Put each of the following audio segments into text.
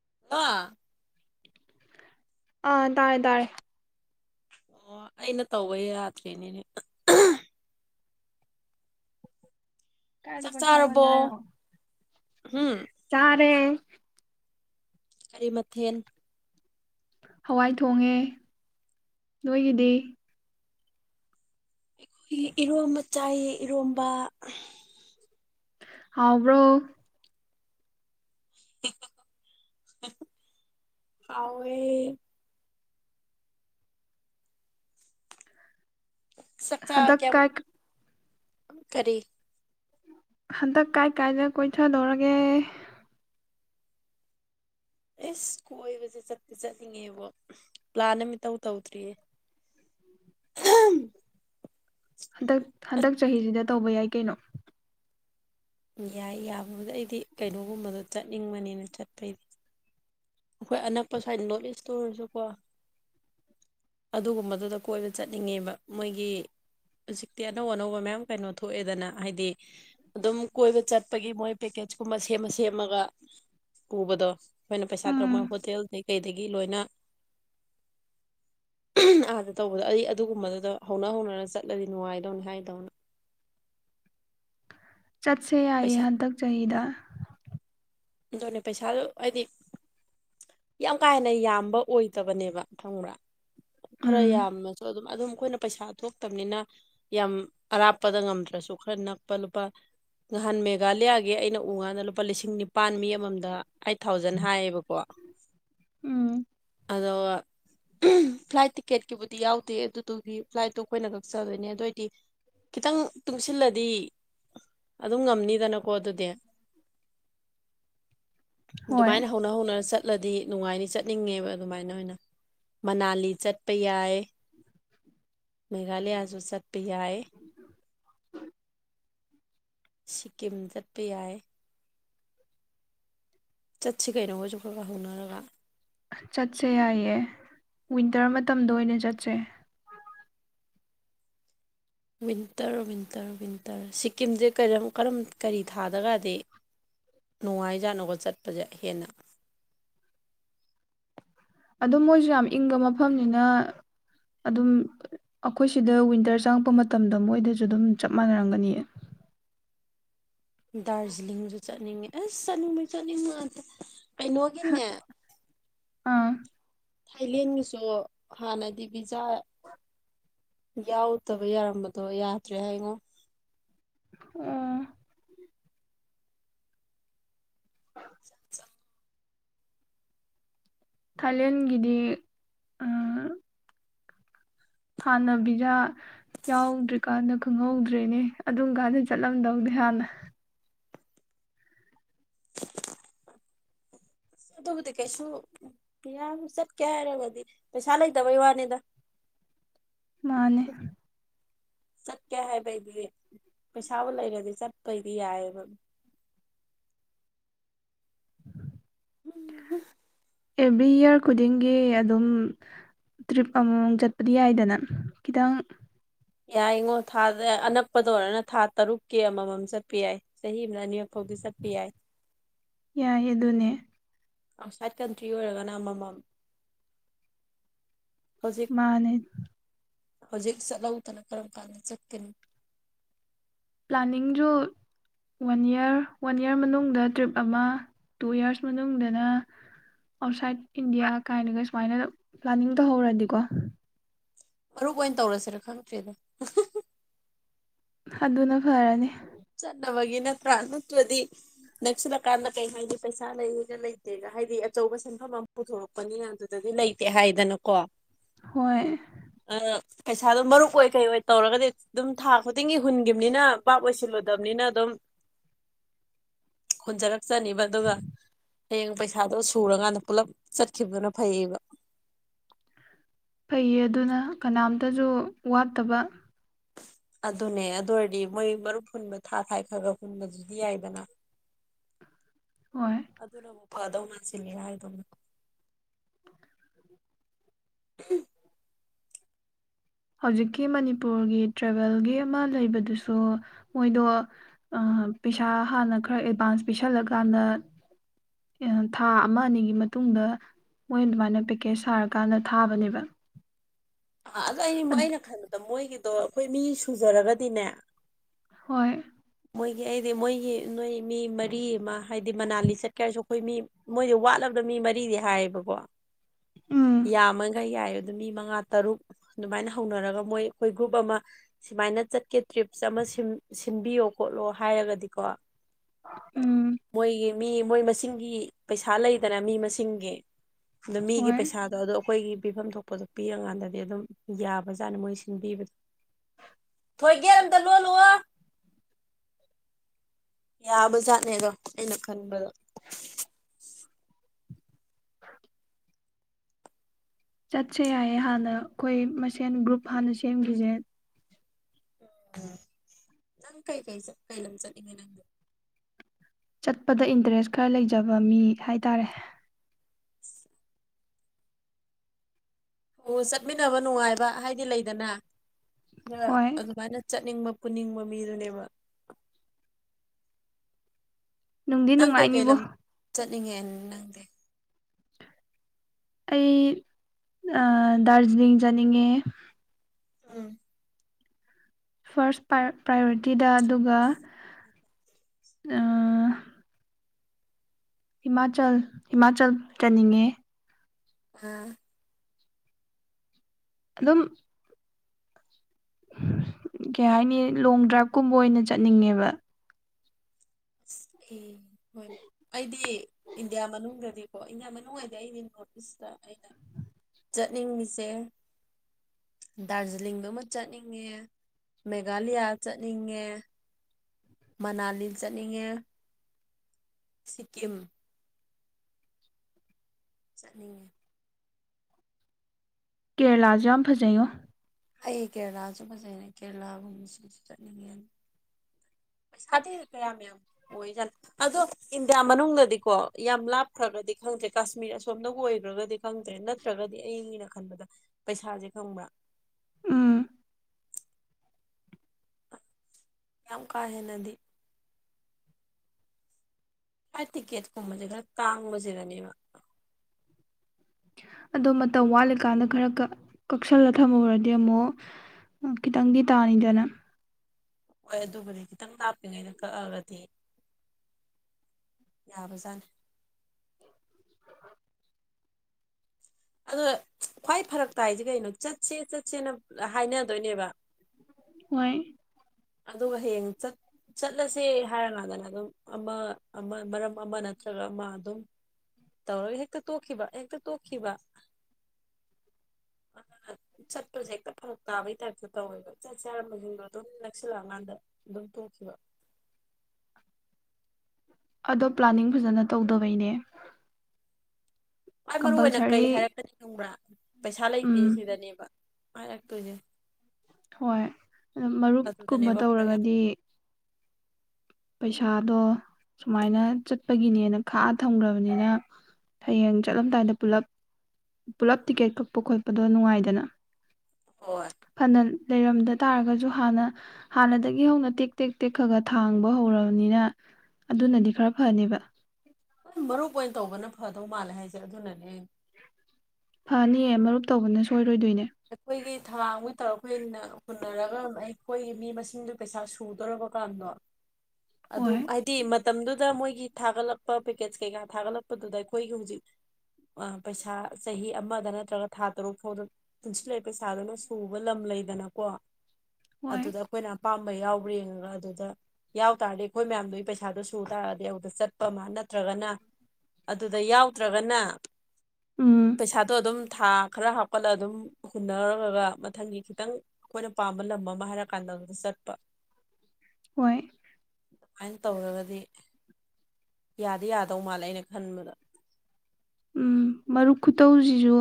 [unintelligible] ꯑꯥ ꯇꯥꯔꯦ ꯇꯥꯔꯦ ꯑꯣ ꯑꯩꯅ ꯇꯧꯕ ꯌꯥꯗ꯭ꯔꯦꯅꯤꯅꯦ ꯀꯥꯏꯗ ꯆꯥꯛ ꯀꯣꯏꯊꯥ ꯔꯨꯁꯦ ꯆꯥꯔꯕꯣ ꯍꯥꯏꯅꯣ ꯎꯝ ꯆꯥꯔꯦ ꯀꯔꯤ ꯃꯊꯦꯜ ꯍꯋꯥꯏ ꯊꯣꯡꯉꯦ ꯅꯣꯏꯒꯤꯗꯤ ꯑꯩꯈꯣꯏꯒꯤ ꯏꯔꯣꯝꯕ ꯆꯥꯏꯌ‌ꯦ ꯏꯔꯣꯝꯕ ꯍꯥꯎꯕ꯭ꯔꯣ ꯍꯥꯎꯦ ꯁꯛꯊ ꯍꯟꯗꯛ ꯀꯌꯥ ꯀꯥꯏ ꯀꯔꯤ ꯍꯟꯗꯛ ꯀꯥꯏ ꯀꯥꯏꯗꯅ ꯀꯣꯏꯊꯗꯔꯒꯦ ꯑꯩꯁ ꯀꯣꯏꯕꯁꯦ ꯆꯠꯇꯤ ꯆꯠꯅꯤꯡꯉꯦꯕꯣ ꯄ꯭ꯂꯥꯟ ꯃꯤ ꯇꯧ ꯇꯧꯗ꯭ꯔꯤꯌꯦ ꯍꯗꯛ ꯍꯟ ꯇꯛ ꯆ ꯆꯍꯤꯍꯤꯁꯤꯗ ꯇꯧꯕ ꯌꯥꯏ ꯀꯩꯅꯣ ꯌꯥꯏ ꯌꯥꯕꯕꯨꯗ ꯑꯩꯗꯤ ꯀꯩꯅꯣꯒꯨꯝꯕꯗꯣ ꯆꯠꯅꯤꯡꯕꯅꯤꯅ ꯆꯠꯄꯩꯗꯤ ꯑꯩꯈꯣꯏ ꯑꯅꯛꯄ ꯁ꯭ꯋꯥꯏꯗ ꯅꯣꯠ ꯏꯁꯇ ꯑꯣꯏꯁꯨꯀꯣ ꯑꯗꯨꯒꯨꯝꯕꯗꯨꯗ ꯀꯣꯏꯕ ꯆꯠꯅꯤꯡꯉꯦꯕ ꯃꯣꯏꯒꯤ ꯍꯧꯖꯤꯛꯇꯤ ꯑꯅꯧ ꯑꯅꯧꯕ ꯃꯌꯥꯝ ꯀꯩꯅꯣ ꯊꯣꯛꯑꯦꯗꯅ ꯍꯥꯏꯗꯤ ꯑꯗꯨꯝ ꯀꯣꯏꯕ ꯆꯠꯄꯒꯤ ꯃꯣꯏ ꯄꯦꯛꯀꯦꯁꯀꯨꯝꯕ ꯁꯦꯝꯃ ꯁꯦꯝꯃꯒ ꯄꯨꯕꯗꯣ ꯑꯩꯈꯣꯏꯅ ꯄꯩꯁꯥ ꯎꯝ ꯍꯣꯇꯦꯜꯁꯤ ꯀꯩꯗꯒꯤ ꯂꯣꯏꯅ ꯑꯥꯗ ꯇꯧꯕꯗꯣ ꯑꯩ ꯑꯗꯨꯒꯨꯝꯕꯗꯨꯗ ꯍꯧꯅ ꯍꯧꯅꯅ ꯆꯠꯂꯗꯤ ꯅꯨꯡꯉꯥꯏꯗꯧꯅꯤ ꯍꯥꯏꯗꯧꯅ ꯆꯠꯁꯦ ꯌꯥꯏꯌꯦ ꯄꯩꯁꯥ ꯍꯟꯗꯛ ꯆꯍꯤꯗ ꯑꯗꯨꯅꯦ ꯄꯩꯁꯥꯁꯨ ꯍꯥꯏꯗꯤ ꯌꯥꯝ ꯀꯥ ꯍꯦꯟꯅ ꯌꯥꯝꯕ ꯑꯣꯏꯗꯕꯅꯦꯕ ꯈꯪꯕ꯭ꯔꯥ ꯈꯔ ꯎꯝ ꯌꯥꯝꯃꯁꯨ ꯑꯗꯨꯝ ꯑꯗꯨꯝ ꯑꯩꯈꯣꯏꯅ ꯄꯩꯁꯥ ꯊꯣꯛꯇꯕꯅꯤꯅ ꯌꯥꯝ ꯑꯔꯥꯞꯄꯗ ꯉꯝꯗ꯭ꯔꯁꯨ ꯈꯔ ꯅꯛꯄ ꯂꯨꯄꯥ ꯅꯍꯥꯟ ꯃꯦꯘꯥꯂꯌꯥꯒꯤ ꯑꯩꯅ ꯎꯀꯥꯟꯗ ꯂꯨꯄꯥ ꯂꯤꯁꯤꯡ ꯅꯤ ꯃꯄꯥꯟ ꯃꯤ ꯑꯃꯃꯝꯗ ꯑꯩꯠ ꯊꯥꯎꯖꯟ ꯍꯥꯏꯌꯦꯕꯀꯣ ꯎꯝ ꯑꯗꯣ ꯐ꯭ꯂꯥꯏꯠ ꯇꯤꯀꯦꯠꯀꯤꯕꯨꯗꯤ ꯌꯥꯎꯗꯦ ꯑꯗꯨꯗꯨꯗꯤ ꯐ꯭ꯂꯥꯏꯠꯇꯣ ꯑꯩꯈꯣꯏꯅ ꯀꯛꯆꯗꯣꯏꯅꯦ ꯑꯗꯨꯑꯣ ꯑꯣꯏꯗꯤ ꯈꯤꯇꯪ ꯇꯨꯡꯁꯤꯜꯂꯗꯤ ꯑꯗꯨꯝ ꯉꯝꯅꯤꯗꯅꯀꯣ ꯑꯗꯨꯗꯤ ꯍꯣꯏ ꯑꯗꯨꯃꯥꯏꯅ ꯍꯧꯅ ꯍꯧꯅꯔ ꯆꯠ ꯆꯠꯂꯗꯤ ꯅꯨꯡꯉꯥꯏꯅꯤ ꯆꯠꯅꯤꯡꯉꯦꯕ ꯑꯗꯨꯃꯥꯏꯅ ꯑꯣꯏꯅ ꯃꯅꯥꯂꯤ ꯆꯠꯄ ꯌꯥꯏ ꯃꯦꯘꯥꯂꯌꯥꯁꯨ ꯆꯠꯄ ꯌꯥꯏ ꯁꯤꯀꯤꯝ ꯆꯠꯄ ꯌꯥꯏ ꯆꯠꯁꯤ ꯀꯩꯅꯣꯒꯁꯨ ꯈꯔ ꯈ ꯍꯧꯅꯔꯒ ꯆꯠꯁꯦ ꯌꯥꯏꯌꯦ ꯋꯤꯟꯇꯔ ꯃꯇꯝꯗ ꯑꯣꯏꯅ ꯆꯠꯁꯦ ꯋꯤꯟꯇꯔ ꯋꯤꯟꯇꯔ ꯋꯤꯟꯇꯔ ꯁꯤꯀꯤꯝꯁꯦ ꯀꯔꯝ ꯀꯔꯤ ꯊꯥꯗ ꯀꯗꯤ ꯅꯨꯡꯉꯥꯏꯖꯥꯠꯅꯣꯀꯣ ꯆꯠꯄꯁꯦ ꯍꯦꯟꯅ ꯑꯗꯨꯝ ꯃꯣꯏꯁꯨ ꯌꯥꯝ ꯏꯪꯕ ꯃꯐꯝꯅꯤꯅ ꯑꯗꯨꯝ ꯑꯩꯈꯣꯏ ꯁꯤꯗ ꯋꯤꯟꯇꯔ ꯆꯪꯉꯛꯄ ꯃꯇꯝꯗ ꯃꯣꯏꯗꯁꯨ ꯑꯗꯨꯝ ꯆꯞ ꯃꯥꯟꯅꯔꯝꯒꯅꯤ ꯗꯥꯔꯖꯤꯂꯤꯡꯁꯨ ꯆꯠꯅꯤꯡꯉꯦ ꯑꯁ ꯆꯠꯅꯤꯡꯕꯩ ꯆꯠꯅꯤꯡꯕ ꯉꯥꯛꯇꯥ ꯀꯩꯅꯣꯒꯤꯅꯦ ꯑꯥ ꯊꯥꯏꯂꯦꯟꯒꯤꯁꯨ ꯍꯥꯟꯅꯗꯤ ꯚꯤꯖꯥ ꯌꯥꯎꯗꯕ ꯌꯥꯔꯝꯕꯗꯣ ꯌꯥꯗ꯭ꯔꯦ ꯍꯥꯏꯉꯣ ꯑꯣ [inaudible] ꯊꯥꯏꯂꯦꯟꯒꯤꯗꯤ ꯑ ꯍꯥꯟꯅ ꯕꯤꯖꯥ ꯌꯥꯎꯗ꯭ꯔꯤꯀꯥꯟꯗ ꯈꯪꯍꯧꯗ꯭ꯔꯦꯅꯦ ꯑꯗꯨꯝ ꯀꯥꯟꯗ ꯆꯠꯂꯝꯗꯧꯅꯦ ꯍꯥꯟꯅ [inaudible] ꯑꯁ ꯑꯗꯨꯕꯨꯗꯤ ꯀꯩꯁꯨ ꯀꯌꯥꯝ ꯆꯠꯀꯦ ꯍꯥꯏꯔꯒꯗꯤ ꯄꯩꯁꯥ ꯂꯩꯇꯕꯩ ꯋꯥꯅꯤꯗ ꯃꯥꯅꯦ ꯆꯠꯀꯦ ꯍꯥꯏꯕꯩꯗꯤ ꯄꯩꯁꯥꯕꯨ ꯂꯩꯔꯗꯤ ꯆꯠꯄꯩꯗꯤ ꯌꯥꯏꯌꯦꯕ ꯎꯝ ꯎꯝ ꯑꯦꯚ꯭ꯔꯤ ꯏꯌꯥꯔ ꯈꯨꯗꯤꯡꯒꯤ ꯑꯗꯨꯝ ꯇ꯭ꯔꯤꯞ ꯑꯃꯝꯃꯝ ꯆꯠꯄꯗꯤ ꯌꯥꯏꯗꯅ ꯈꯤꯇꯪ ꯌꯥꯏꯉꯣ ꯊꯥꯗ ꯑꯅꯛꯄꯗ ꯑꯣꯏꯔꯒꯅ ꯊꯥ ꯇꯔꯨꯛꯀꯤ ꯑꯃꯃꯝ ꯆꯠꯄ ꯌꯥꯏ ꯆꯍꯤ ꯑꯃꯗ ꯑꯅꯤꯔꯛ ꯐꯥꯎꯗꯤ ꯆꯠꯄ ꯌꯥꯏ ꯌꯥꯏ ꯑꯗꯨꯅꯦ ꯑꯥꯎꯠꯁꯥꯏꯠ ꯀꯟꯇ꯭ꯔꯤ ꯑꯣꯏꯔꯒꯅ ꯑꯃꯃꯝ ꯍꯧꯖꯤꯛ ꯃꯥꯅꯦ ꯍꯧꯖꯤꯛ ꯆꯠꯍꯧꯗꯅ ꯀꯔꯝ ꯀꯥꯟꯗ ꯆꯠꯀꯅꯤ ꯄ꯭ꯂꯥꯅꯤꯡꯁꯨ ꯋꯥꯟ ꯏꯔ ꯋꯥꯟ ꯏꯌꯥꯔ ꯃꯅꯨꯡꯗ ꯇ꯭ꯔꯤꯞ ꯑꯃ ꯇꯨ ꯌꯔꯁ ꯃꯅꯨꯡꯗꯅ ꯑꯥꯎꯠꯁꯥꯏꯠ ꯏꯟꯗꯤꯌꯥ ꯀꯥꯏꯅꯒ ꯁꯨꯃꯥꯏꯅ ꯄ꯭ꯂꯥꯅꯤꯡ ꯇꯧꯍꯧꯔꯗꯤꯀꯣ ꯃꯔꯨ ꯑꯣꯏꯅ ꯇꯧꯔꯁꯤꯔ ꯈꯪꯗ꯭ꯔꯦꯗ ꯑꯗꯨꯅ ꯐꯔꯅꯤ ꯆꯠꯅꯕꯒꯤ ꯅꯠꯇ꯭ꯔꯥ ꯅꯠꯇ꯭ꯔꯗꯤ ꯅꯛꯁꯤꯜꯂꯛꯀꯥꯟꯗ ꯀꯩ ꯍꯥꯏꯗꯤ ꯄꯩꯁꯥ ꯂꯩꯒ ꯂꯩꯇꯦꯒ ꯍꯥꯏꯗꯤ ꯑꯆꯧꯕ ꯁꯦꯟꯐꯝ ꯑꯃ ꯄꯨꯊꯣꯔꯛꯄꯅꯤꯅ ꯑꯗꯨꯗꯗꯤ ꯂꯩꯇꯦ ꯍꯥꯏꯗꯅꯀꯣ ꯍꯣꯏ ꯄꯩꯁꯥꯗꯨꯝ ꯃꯔꯨꯞ ꯑꯣꯏ ꯀꯩ ꯑꯣꯏ ꯇꯧꯔꯒꯗꯤ ꯑꯗꯨꯝ ꯊꯥ ꯈꯨꯗꯤꯡꯒꯤ ꯍꯨꯟꯈꯤꯕꯅꯤꯅ ꯄꯥꯞ ꯑꯣꯏꯁꯤꯜꯂꯨꯗ ꯗꯕꯅꯤꯅ ꯑꯗꯨꯝ ꯍꯨꯟꯖꯔꯛꯆꯅꯤꯕ ꯑꯗꯨꯒ ꯍꯌꯦꯡ ꯄꯩꯁꯥꯗꯣ ꯁꯨꯔꯀꯥꯟꯗ ꯄꯨꯂꯞ ꯆꯠꯈꯤꯕꯗꯨꯅ ꯐꯩꯌꯦꯕ ꯐꯩꯌꯦ ꯑꯗꯨꯅ ꯀꯅꯥꯝꯇꯁꯨ ꯋꯥꯠꯇꯕ ꯑꯗꯨꯅꯦ ꯑꯗꯨ ꯑꯣꯏꯔꯗꯤ ꯃꯣꯏ ꯃꯔꯨꯞ ꯍꯨꯟꯕ ꯊꯥ ꯊꯥꯏ ꯈꯕꯔꯍꯨꯟꯕꯗꯨꯗꯤ ꯌꯥꯏꯗꯅ ꯍꯣꯏ ꯑꯗꯨꯅꯕꯨ ꯐꯗꯧ ꯃꯥꯟꯁꯤꯜꯂꯛꯂꯦ ꯍꯥꯏꯗꯧꯅ ꯎꯝ ꯍꯧꯖꯤꯛꯀꯤ ꯃꯅꯤꯄꯨꯔꯒꯤ ꯇ꯭ꯔꯦꯚꯦꯜꯒꯤ ꯑꯃ ꯂꯩꯕꯗꯨꯁꯨ ꯃꯣꯏꯗꯣ ꯄꯩꯁꯥ ꯍꯥꯟꯅ ꯈꯔ ꯑꯦꯗꯚꯥꯟꯁ ꯄꯤꯁꯜꯂꯀꯥꯟꯗ ꯊꯥ ꯑꯃ ꯑꯅꯤꯒꯤ ꯃꯇꯨꯡꯗ ꯃꯣꯏ ꯑꯗꯨꯃꯥꯏꯅ ꯄꯦꯛꯀꯦꯖ ꯁꯥꯔꯀꯥꯟꯗ ꯊꯥꯕꯅꯦꯕ ꯑꯗ ꯑꯩꯅ ꯑꯩꯅ ꯈꯟꯕꯗ ꯃꯣꯏ ꯗꯣ ꯑꯩꯈꯣꯏ ꯃꯤ ꯁꯨꯖꯔꯒꯗꯤꯅꯦ ꯍꯣꯏ ꯃꯣꯏꯒꯤ ꯑꯩꯗꯤ ꯃꯣꯏꯒꯤ ꯅꯣꯏ ꯃꯤ ꯃꯔꯤ ꯑꯃ ꯍꯥꯏꯗꯤ ꯃꯅꯥꯂꯤ ꯆꯠꯀꯦ ꯍꯥꯏꯔꯁꯨ ꯑꯩꯈꯣꯏ ꯃꯤ ꯃꯣꯏꯗꯤ ꯋꯥꯠꯂꯕꯗ ꯃꯤ ꯃꯔꯤꯗꯤ ꯍꯥꯏꯌꯦꯕꯀꯣ ꯎꯝ ꯌꯥꯃꯒꯩ ꯌꯥꯏꯌꯦꯕ ꯑꯗꯨ ꯃꯤ ꯃꯉꯥ ꯇꯔꯨꯛ ꯑꯗꯨꯃꯥꯏꯅ ꯍꯧꯅꯔꯒ ꯃꯣꯏ ꯑꯩꯈꯣꯏ ꯒ꯭ꯔꯨꯞ ꯑꯃ ꯁꯨꯃꯥꯏꯅ ꯆꯠꯀꯦ ꯇ꯭ꯔꯤꯞꯁ ꯑꯃ ꯁꯤꯟꯕꯤꯌꯣ ꯈꯣꯠꯂꯣ ꯍꯥꯏꯔꯒꯗꯤꯀꯣ ꯎꯝ ꯃꯣꯏꯒꯤ ꯃꯤ ꯃꯣꯏ ꯃꯁꯤꯡꯒꯤ ꯄꯩꯁꯥ ꯂꯩꯗꯅ ꯃꯤ ꯃꯁꯤꯡꯒꯤ ꯑꯣ ꯃꯤꯒꯤ ꯍꯣꯏ ꯄꯩꯁꯥꯗꯣ ꯑꯗꯣ ꯑꯩꯈꯣꯏꯒꯤ ꯄꯤꯐꯝ ꯊꯣꯛꯄꯗꯣ ꯄꯤꯔꯀꯥꯟꯗꯗꯤ ꯑꯗꯨꯝ ꯌꯥꯕꯖꯥꯠ ꯃꯣꯏ ꯁꯤꯟꯕꯤꯕꯁꯦ ꯊꯣꯏꯒꯦ ꯑꯝꯇ ꯂꯣꯜꯂꯨꯑꯣ ꯌꯥꯕꯖꯥꯠꯅꯦꯔꯣ ꯑꯩꯅ ꯈꯟꯕꯗꯣ [unintelligible] ꯆꯠꯁꯦ ꯌꯥꯏꯌꯦ ꯍꯥꯟꯅ ꯑꯩꯈꯣꯏ ꯃꯁꯦꯟ ꯒ꯭ꯔꯨꯞ ꯍꯥꯟꯅ ꯁꯦꯝꯈꯤꯁꯦ ꯅꯪ ꯀꯥꯏ ꯀꯥꯏ ꯆ ꯀꯩ ꯂꯝ ꯆꯔ ꯅꯪ ꯆꯠꯄꯗ ꯏꯟꯇꯔꯦꯁ ꯈꯔ ꯂꯩꯖꯕ ꯃꯤ ꯍꯥꯏ ꯇꯔꯦ ꯑꯣ ꯆꯠꯃꯤꯟꯅꯕ ꯅꯨꯡꯉꯥꯏꯕ ꯍꯥꯏꯗꯤ ꯂꯩꯗꯅ ꯈ ꯍꯣꯏ ꯑꯗꯨꯃꯥꯏꯅ ꯆꯠꯅꯤꯡꯕ ꯄꯨꯅꯤꯡꯕ ꯃꯤꯗꯨꯅꯦꯕ ꯅꯨꯡꯗꯤ ꯅꯨꯡꯉꯥꯏꯅꯤꯕꯣ ꯟꯅꯗꯤꯦ ꯑꯩ ꯗꯥꯔꯖꯤꯂꯤꯡ ꯆꯅꯤꯡꯉꯦ ꯎꯝ ꯐꯥꯔꯁ ꯄ꯭ꯔꯥꯏꯌꯣꯔꯤꯇꯤꯗ ꯑꯗꯨꯒ ꯍꯤꯃꯥꯆꯜ ꯍꯤꯃꯥꯆꯜ ꯆꯅꯤꯡꯉꯦ ꯑ ꯑꯗꯨꯝ ꯀꯩ ꯍꯥꯏꯥꯏꯅꯤ ꯂꯣꯡ ꯗ꯭ꯔꯥꯏꯚꯀꯨꯝꯕ ꯑꯣꯏꯅ ꯆꯠꯅꯤꯡꯉꯦꯕ ꯑꯁ ꯑꯦ ꯍꯣꯏ ꯑꯩꯗꯤ ꯏꯟꯗꯤꯌꯥ ꯃꯅꯨꯡꯗꯗꯤꯀꯣ ꯏꯟꯗꯤꯌꯥ ꯃꯅꯨꯡꯗꯤ ꯑꯩꯗꯤ ꯅꯣꯔꯠ ꯏꯁꯇ ꯑꯩꯅ ꯆꯠꯅꯤꯡꯉꯤꯁꯦ ꯗꯥꯔꯖꯤꯂꯤꯡꯗꯨ ꯑꯃ ꯆꯠꯅꯤꯡꯉꯦ ꯃꯦꯘꯥꯂꯌꯥ ꯆꯠꯅꯤꯡꯉꯦ ꯃꯅꯥꯂꯤ ꯍꯥꯏꯖꯠꯅꯤꯡꯉꯦ ꯁꯤꯀꯤꯝ ꯆꯠꯅꯤꯡꯉꯦ ꯀꯦꯔꯂꯥꯁꯨ ꯌꯥꯝ ꯐꯖꯩꯣ ꯑꯩ ꯀꯦꯔꯂꯥꯁꯨ ꯐꯖꯩꯅꯦ ꯀꯦꯔꯂꯥꯒꯨꯝꯕꯕꯁꯤꯁꯨ ꯆꯠꯅꯤꯡꯉꯦꯅ ꯄꯩꯁꯥꯗꯤ ꯀꯌꯥꯝ ꯌꯥꯝꯌꯥꯝ ꯑꯣꯏꯖꯥꯠꯣ ꯑꯗꯣ ꯏꯟꯗꯤꯌꯥ ꯃꯅꯨꯡꯗꯗꯤꯀꯣ ꯌꯥꯝ ꯂꯥꯞꯈ꯭ꯔꯒꯗꯤ ꯈꯪꯗ꯭ꯔꯦ ꯀꯥꯁꯃꯤꯔ ꯑꯁꯣꯝꯅꯕꯨ ꯑꯣꯏꯈ꯭ꯔꯒꯗꯤ ꯈꯪꯗ꯭ꯔꯦ ꯅꯠꯇ꯭ꯔꯒꯗꯤ ꯑꯒꯤꯩꯅ ꯈꯟꯕꯗ ꯄꯩꯁꯥꯁꯦ ꯈꯪꯕ꯭ꯔꯥ ꯎꯝ ꯌꯥꯝ ꯀꯥ ꯍꯦꯟꯅꯗꯤ ꯑꯩ ꯇꯤꯛꯀꯦꯠ ꯀꯨꯝꯕꯁꯦ ꯈꯔ ꯇꯥꯡꯕꯁꯤꯗꯅꯦꯕ ꯑꯗꯣ ꯃꯇꯝ ꯋꯥꯠꯂꯤꯀꯥꯟꯗ ꯈꯔ ꯀꯛꯁꯜꯂ ꯊꯝꯃꯨꯔꯗꯤ ꯑꯃꯨꯛ ꯈꯤꯇꯪꯗꯤ ꯇꯥꯅꯤꯗꯅ ꯍꯣꯏ ꯑꯗꯨꯕꯨꯗꯤ ꯈꯤꯇꯪ ꯂꯥꯞꯄꯤꯉꯩꯩꯅ ꯀꯛꯑꯒꯗꯤ ꯌꯥꯕꯖꯥꯠꯅꯤ ꯑꯗꯣ ꯈ꯭ꯋꯥꯏ ꯐꯔꯛ ꯇ ꯍꯥꯏꯁꯦ ꯀꯩꯅꯣ ꯆꯠꯁꯦ ꯆꯠꯁꯦꯅ ꯍꯥꯏꯅꯗꯣꯏꯅꯦꯕ ꯍꯏ ꯑꯗꯨꯒ ꯍꯦꯡ ꯆꯠ ꯆꯠꯂꯁꯦ ꯍꯥꯏꯔ ꯃꯥꯗꯂ ꯑꯗꯨꯝ ꯑꯃ ꯑꯃ ꯃꯔꯝ ꯑꯃ ꯅꯠꯇ꯭ꯔꯒ ꯑꯃ ꯑꯗꯨꯝ ꯇꯧꯔꯒ ꯍꯦꯛꯇ ꯇꯣꯛꯈꯤꯕ ꯍꯦꯛꯇ ꯇꯣꯛꯈꯤꯕ ꯆꯠꯄꯁꯦ ꯍꯦꯛꯇ ꯐꯔꯛ ꯇꯥꯕꯩ ꯇꯥꯏꯞꯇ ꯇꯧꯋꯦꯕ ꯆꯠ ꯆꯔꯗꯣ ꯑꯗꯨꯝ ꯆꯛꯁꯤꯜꯂꯛꯑꯀꯥꯟꯗ ꯑꯗꯨꯝ ꯇꯣꯡꯈꯤꯕ ꯑꯗꯣ ꯄ꯭ꯂꯥꯅꯤꯡ ꯐꯖꯅ ꯇꯧꯗꯕꯩꯅꯦ ꯈ꯭ꯋꯥꯏ ꯃꯔꯨꯏ ꯑꯣꯏꯅ ꯀꯩ ꯀꯝꯄꯜꯁꯔꯤ ꯍꯥꯏꯔꯛꯀꯅꯤ ꯈꯪꯕ꯭ꯔꯥ ꯄꯩꯁꯥ ꯂꯩꯇꯦ ꯎꯝ ꯁꯤꯗꯅꯦꯕ ꯃꯥꯔꯛꯇꯣꯏꯖꯦ ꯍꯣꯏ ꯑ ꯃꯔꯨꯞꯀꯨꯝꯕ ꯑꯗꯨꯗꯅꯦꯕ ꯐꯔꯛ ꯌꯥꯝ ꯇꯧꯔꯒꯗꯤ ꯄꯩꯁꯥꯗꯣ ꯁꯨꯃꯥꯏꯅ ꯆꯠꯄꯒꯤꯅꯦꯅ ꯈꯥ ꯊꯝꯈ꯭ꯔꯕꯅꯤꯅ ꯍꯌꯦꯡ ꯆꯠꯂꯝꯗꯥꯏꯗ ꯄꯨꯜꯂꯞ ꯄꯨꯂꯞ ꯇꯤꯛꯀꯦꯠ ꯀꯛꯄ ꯈꯣꯠꯄꯗꯣ ꯅꯨꯡꯉꯥꯏꯗꯅ ꯍꯣꯏ ꯐꯥꯅꯥ ꯂꯩꯔꯝꯗ ꯇꯥꯔꯒꯁꯨ ꯍꯥꯟꯅ ꯍꯥꯟꯅꯗꯒꯤ ꯍꯧꯅ ꯇꯦꯛ ꯇꯦꯛ ꯇꯦꯛ ꯈꯔ ꯈꯔ ꯊꯥꯡꯕ ꯍꯧꯔꯃꯤꯅ ꯑꯗꯨꯅꯗꯤ ꯈꯔ ꯐꯅꯤꯕ ꯃꯔꯨꯞ ꯑꯣꯏꯅ ꯇꯧꯕꯅ ꯐꯗꯧ ꯃꯥꯜꯂꯦ ꯍꯥꯏꯁꯦ ꯑꯗꯨꯅꯅꯦ ꯐꯅꯤꯌꯦ ꯃꯔꯨꯞ ꯇꯧꯕꯅ ꯁꯣꯏꯔꯣꯏꯗꯣꯏꯅꯦ ꯑꯩꯈꯣꯏꯒꯤ ꯊꯥꯡ ꯑꯃ ꯇꯧꯔ ꯑꯩꯈꯣꯏ ꯍꯨꯟꯅꯔꯒ ꯑꯩꯈꯣꯏꯒꯤ ꯃꯤ ꯃꯁꯤꯡꯗꯨ ꯄꯩꯁꯥ ꯁꯨꯗꯣꯔꯕ ꯀꯥꯟꯗꯣ ꯍꯣꯏ ꯑꯗꯨꯝ ꯍꯥꯏꯗꯤ ꯃꯇꯝꯗꯨꯗ ꯃꯣꯏ ꯒꯤ ꯊꯥꯒꯠꯂꯛꯄ ꯄꯤꯄꯦꯖ ꯀꯩꯀꯥ ꯊꯥꯒꯠꯂꯛꯄꯗꯨꯗ ꯑꯩꯈꯣꯏꯒꯤ ꯍꯧꯖꯤꯛ ꯄꯩꯁꯥ ꯆꯍꯤ ꯑꯃꯗ ꯅꯠꯇ꯭ꯔꯒ ꯊꯥ ꯇꯔꯨꯛ ꯐꯥꯎꯗ ꯄꯨꯟꯁꯤꯜꯂꯛꯏ ꯄꯩꯁꯥꯗꯨꯅ ꯁꯨꯕ ꯂꯝ ꯂꯩꯗꯅꯀꯣ ꯍꯣꯏ ꯑꯗꯨꯗ ꯑꯩꯈꯣꯏꯅ ꯑꯄꯥꯝꯕ ꯌꯥꯎꯕ꯭ꯔ ꯌꯦꯡꯉꯒ ꯑꯗꯨꯗ ꯌꯥꯎ ꯇꯥꯔꯗꯤ ꯑꯩꯈꯣꯏ ꯃꯌꯥꯝꯗꯨꯒꯤ ꯄꯩꯁꯥꯗꯣ ꯁꯨ ꯇꯥꯔꯗꯤ ꯑꯗꯨꯗ ꯆꯠꯄ ꯑꯃ ꯅꯠꯇ꯭ꯔꯒꯅ ꯑꯗꯨꯗ ꯌꯥꯎꯗ꯭ꯔꯒꯅ ꯎꯝ ꯄꯩꯁꯥꯗꯣ ꯑꯗꯨꯝ ꯊꯥ ꯈꯔ ꯍꯥꯞꯀꯠꯂ ꯑꯗꯨꯝ ꯍꯨꯟꯅꯔꯒꯒ ꯃꯊꯪꯒꯤ ꯈꯤꯇꯪ ꯑꯩꯈꯣꯏꯅ ꯄꯥꯝꯕ ꯂꯝ ꯑꯃ ꯍꯥꯏꯔꯀꯥꯟꯗꯒꯥ ꯆꯠꯄ ꯍꯣꯏ ꯑꯗꯨꯃꯥꯏꯅ ꯇꯧꯔꯒꯗꯤ ꯌꯥꯗꯤ ꯌꯥꯗꯧ ꯃꯥꯜꯂꯦ ꯑꯩꯅ ꯈꯟꯕꯗ ꯎꯝ ꯃꯔꯨꯞ ꯈꯨꯇꯧꯁꯤꯁꯨ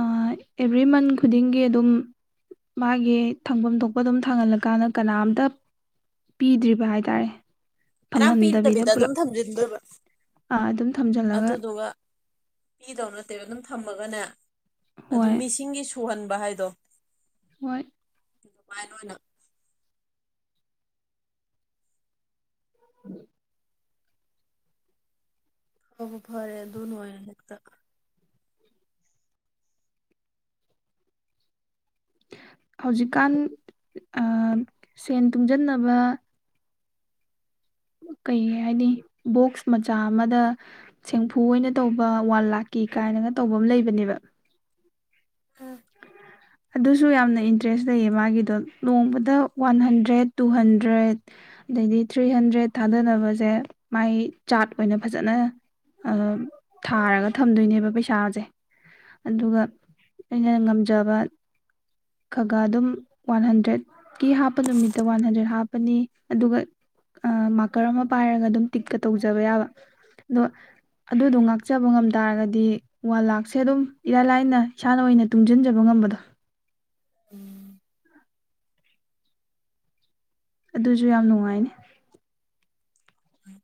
ꯑꯦꯚ꯭ꯔꯤ ꯃꯟ ꯈꯨꯗꯤꯡꯒꯤ ꯑꯗꯨꯝ ꯃꯥꯒꯤ ꯊꯪꯐꯝ ꯊꯣꯛꯄ ꯑꯗꯨꯝ ꯊꯥꯡꯍꯜꯂꯀꯥꯟꯗ ꯀꯅꯥꯝꯇ ꯄꯤꯗ꯭ꯔꯤꯕ ꯍꯥꯏ ꯇꯥꯔꯦ ꯀꯥꯅꯥꯝ ꯄꯤꯗꯕꯤꯗ ꯑꯗꯨꯝ ꯊꯝꯖꯤꯟꯗꯣꯏꯕ ꯑꯥ ꯑꯗꯨꯝ ꯊꯝꯖꯤꯜꯂꯒ ꯑꯗꯨꯗꯨꯒ ꯄꯤꯗꯧ ꯅꯠꯇꯦꯕ ꯑꯗꯨꯝ ꯊꯝꯃꯒꯅꯦ ꯑꯗꯨ ꯍꯣꯏ ꯃꯤꯁꯤꯡꯒꯤ ꯁꯨꯍꯟꯕ ꯍꯥꯏꯗꯣ ꯍꯣꯏ ꯑꯗꯨꯃꯥꯏꯅꯥ ꯑꯣꯏꯅꯥ ꯎꯝ ꯑꯎ ꯐꯔꯦ ꯑꯗꯨ ꯅꯨꯉꯥꯏꯅꯥ ꯍꯦꯛꯇꯥ ꯍꯧꯖꯤꯛꯀꯥꯟ ꯑꯥ ꯁꯦꯟ ꯇꯨꯡꯖꯟꯅꯕ ꯀꯩ ꯍꯥꯏꯅꯤ ꯕꯣꯛꯁ ꯃꯆꯥ ꯑꯃꯗ ꯁꯦꯡꯐꯨ ꯑꯣꯏꯅ ꯇꯧꯕ ꯋꯥꯟ ꯂꯥꯛꯀꯤ ꯀꯥꯏꯅꯒ ꯇꯧꯕ ꯑꯃ ꯂꯩꯕꯅꯦꯕ ꯎꯝ ꯑꯗꯨꯁꯨ ꯌꯥꯝꯅ ꯏꯟꯇ꯭ꯔꯦꯁ ꯂꯩꯌꯦ ꯃꯥꯒꯤꯗꯣ ꯅꯣꯡꯃꯗ ꯋꯥꯟ ꯍꯟꯗ꯭ꯔꯦꯠ ꯇꯨ ꯍꯟꯗ꯭ꯔꯦꯠ ꯑꯗꯩꯗꯤ ꯊ꯭ꯔꯤ ꯍꯟꯗ꯭ꯔꯦꯠ ꯊꯥꯗꯅꯕꯁꯦ ꯃꯥꯏ ꯆꯥꯔꯠ ꯑꯣꯏꯅ ꯐꯖꯅ ꯊꯥꯔꯒ ꯊꯝꯗꯣꯏꯅꯦꯕ ꯄꯩꯁꯥꯁꯦ ꯑꯗꯨꯒ ꯑꯩꯅ ꯉꯝꯖꯕ ꯈ ꯒꯥ ꯑꯗꯨꯝ ꯋꯥꯟ ꯍꯟꯗ꯭ꯔꯦꯗꯀꯤ ꯍꯥꯞꯄ ꯅꯨꯃꯤꯠꯇ ꯋꯥꯟ ꯍꯟꯗ꯭ꯔꯦꯗ ꯍꯥꯞꯄꯅꯤ ꯑꯗꯨꯒ ꯃꯥꯀꯔ ꯑꯃ ꯄꯥꯏꯔꯒ ꯑꯗꯨꯝ ꯇꯤꯛꯀ ꯇꯧꯖꯕ ꯌꯥꯕ ꯑꯗꯣ ꯑꯗꯨꯗꯣ ꯉꯥꯛꯆꯕ ꯉꯝ ꯇꯥꯔꯒꯗꯤ ꯋꯥꯟ ꯂꯥꯛꯁꯦ ꯑꯗꯨꯝ ꯏꯔꯥꯏ ꯂꯥꯏꯅ ꯏꯁꯥꯅ ꯑꯣꯏꯅ ꯇꯨꯡꯁꯤꯟꯖꯕ ꯉꯝꯕꯗꯣ ꯎꯝ ꯑꯗꯨꯁꯨ ꯌꯥꯝ ꯅꯨꯡꯉꯥꯏꯅꯤ ꯎꯃ